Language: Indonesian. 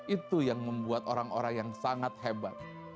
itu yang membuat orang orang yang sangat hebat